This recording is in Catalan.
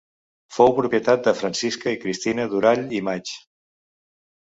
Fou propietat de Francisca i Cristina Durall i Maig.